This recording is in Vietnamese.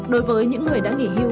đối với những người đã nghỉ hưu